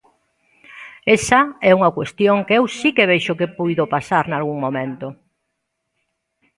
Esa é unha cuestión que eu si que vexo que puido pasar nalgún momento.